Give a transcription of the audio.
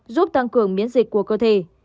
giúp tăng cường biến dịch của cơ thể